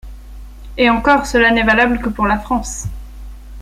Et encore cela n'est valable que pour la France.